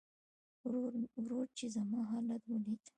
ورور چې زما حالت وليده .